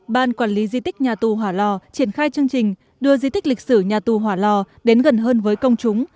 ban quản lý di tích nhà tù hỏa lò triển khai chương trình đưa di tích lịch sử nhà tù hỏa lò đến gần hơn với công chúng